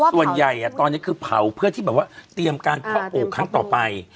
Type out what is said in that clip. ส่วนใหญ่ตอนนี้คือเผาเพื่อที่แบบว่าเตรียมการเพาะปลูกครั้งต่อไป